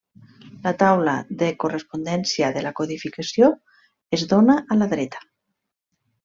La taula de correspondència de la codificació es dóna a la dreta.